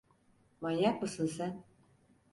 Manyak mısın sen?